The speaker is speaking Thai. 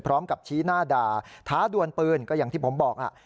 พร้อมกับชี้หน้าด่าท้าดวนปืนก็อย่างที่ผมบอกอ่ะ